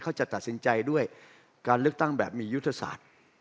เขาจะตัดสินใจด้วยการเลือกตั้งแบบมียุทธศาสตร์